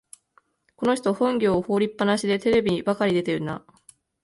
この人、本業を放りっぱなしでテレビばかり出てるな